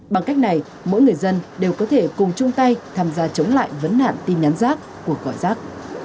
bằng cách này mỗi người dân đều có thể cùng chung tay tham gia chống lại vấn nạn tin nhắn giác của gọi giác